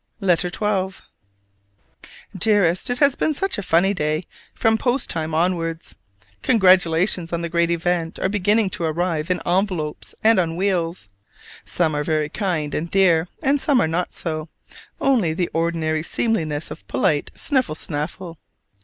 LETTER XII. Dearest: It has been such a funny day from post time onwards: congratulations on the great event are beginning to arrive in envelopes and on wheels. Some are very kind and dear; and some are not so only the ordinary seemliness of polite sniffle snaffle.